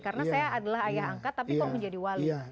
karena saya adalah ayah angkat tapi kok menjadi wali